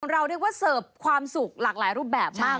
เราเรียกว่าเสิร์ฟความสุขหลากหลายรูปแบบมาก